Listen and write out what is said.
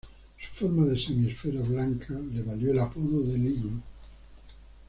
Su forma de semiesfera blanca le valió el apodo de "el Iglú".